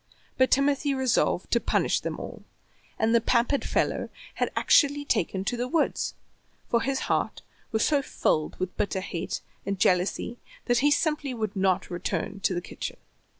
But Timothy resolved to punish them all, and the pampered fellow had actually taken to the woods, for his heart was so filled with bitter hate and jealousy that he simply would not return to the kitchen.